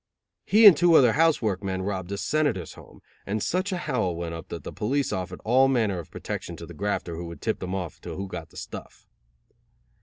He and two other house work men robbed a senator's home, and such a howl went up that the police offered all manner of protection to the grafter who would tip them off to who got the stuff.